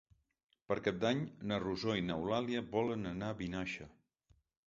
Per Cap d'Any na Rosó i n'Eulàlia volen anar a Vinaixa.